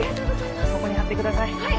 ここに貼ってください